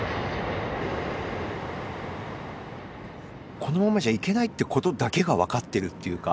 このままじゃいけないということだけが分かってるというか。